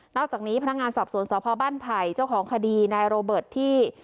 อกจากนี้พนักงานสอบสวนสพบ้านไผ่เจ้าของคดีนายโรเบิร์ตที่